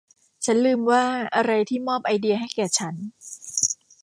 ฉันลืมว่าอะไรที่มอบไอเดียให้แก่ฉัน